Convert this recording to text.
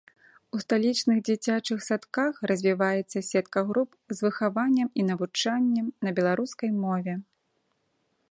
У сталічных дзіцячых садках развіваецца сетка груп з выхаваннем і навучаннем на беларускай мове.